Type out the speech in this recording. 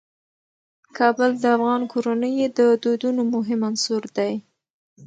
کابل د افغان کورنیو د دودونو مهم عنصر دی.